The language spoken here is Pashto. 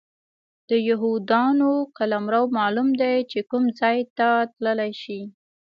د یهودانو قلمرو معلوم دی چې کوم ځای ته تللی شي.